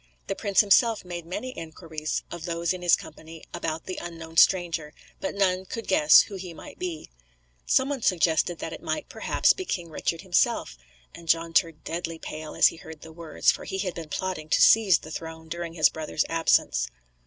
The prince himself made many inquiries of those in his company about the unknown stranger; but none could guess who he might be. Someone suggested that it might, perhaps, be King Richard himself; and John turned deadly pale as he heard the words, for he had been plotting to seize the throne during his brother's absence.